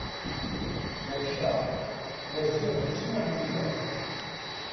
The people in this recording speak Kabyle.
Maca Maziɣ mačči am wiyaḍ.